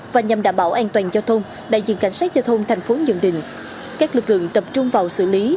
và nhằm đảm bảo an toàn giao thông đại diện cảnh sát giao thông tp hcm các lực lượng tập trung vào xử lý